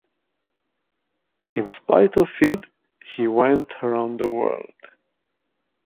In spite of it he went round the world.